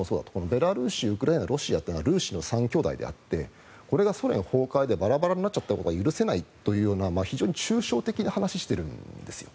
ベラルーシ、ウクライナロシアというのはルーシの３兄弟であってこれがソ連崩壊でバラバラになっちゃったことが許せないという非常に抽象的な話をしているんですよ。